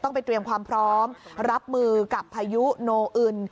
ไปเตรียมความพร้อมรับมือกับพายุโนอึน